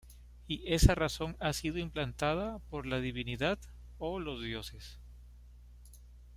Y esa razón ha sido implantada por la divinidad o los dioses.